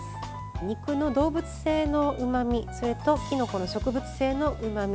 肉の動物性のうまみそれと、きのこの植物性のうまみ